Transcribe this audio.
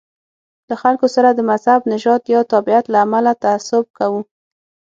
له خلکو سره د مذهب، نژاد یا تابعیت له امله تعصب کوو.